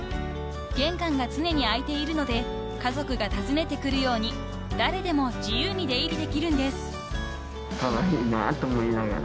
［玄関が常に開いているので家族が訪ねてくるように誰でも自由に出入りできるんです］